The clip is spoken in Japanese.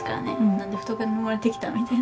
何で双子に生まれてきた？みたいな。